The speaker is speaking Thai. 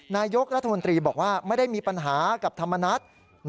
นายกรัฐมนตรีบอกว่าไม่ได้มีปัญหากับธรรมนัฐ